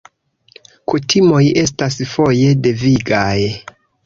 Kutimoj estas foje devigaj.